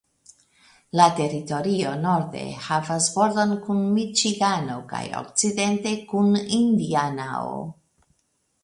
La teritorio norde havas bordon kun Miĉigano kaj okcidente kun Indianao.